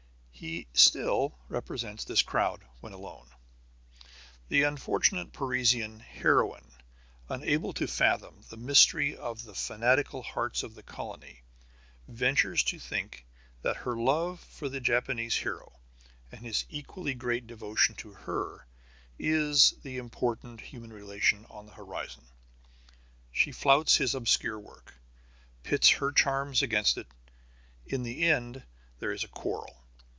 He still represents this crowd when alone. The unfortunate Parisian heroine, unable to fathom the mystery of the fanatical hearts of the colony, ventures to think that her love for the Japanese hero and his equally great devotion to her is the important human relation on the horizon. She flouts his obscure work, pits her charms against it. In the end there is a quarrel.